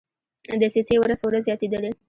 دسیسې ورځ په ورځ زیاتېدلې.